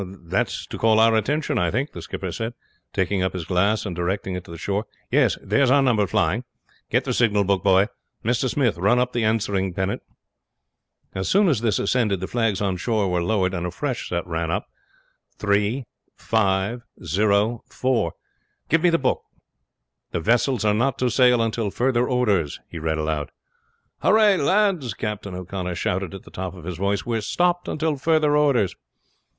"That's to call our attention, I think," the skipper said, taking up his glass and directing it to the shore. "Yes, there is our number flying. Get the signal book, boy. Mr. Smith, run up the answering pennant." As soon as this ascended the flags on shore were lowered, and a fresh set run up 3. 5. 0. 4. "Give me the book. 'The vessels are not to sail until further orders,'" he read aloud. "Hooray, lads!" Captain O'Connor shouted at the top of his voice. "We are stopped until further orders."